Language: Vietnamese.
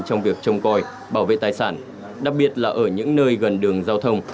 trong việc trông coi bảo vệ tài sản đặc biệt là ở những nơi gần đường giao thông